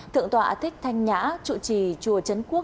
thượng tọa thích thanh nhã chủ trì chùa trấn quốc